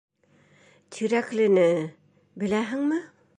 Тирәклене... беләһеңме?